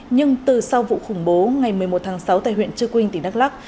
nhưng từ sau vụ khủng bố ngày một mươi một tháng sáu tại huyện trư quynh tỉnh đắk lắc